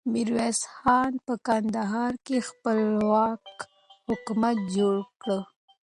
ميرويس خان په کندهار کې خپلواک حکومت جوړ کړ.